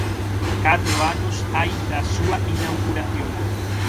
Catro anos hai da súa inauguración.